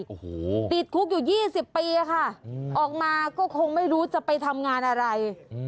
โอ้โหติดคุกอยู่๒๐ปีค่ะออกมาก็คงไม่รู้จะไปทำงานอะไร